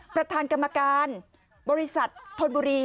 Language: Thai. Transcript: ประธานกรรมการบริษัทธนบุรี